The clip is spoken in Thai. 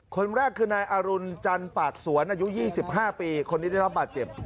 คนแรกคือนายอรุณจันปากสวนอายุ๒๕ปีคนนี้ได้รับบาดเจ็บ